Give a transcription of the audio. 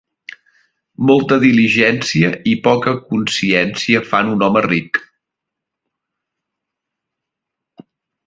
Molta diligència i poca consciència fan un home ric.